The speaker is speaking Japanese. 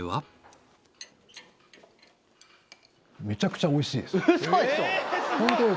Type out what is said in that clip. めちゃくちゃおいしい！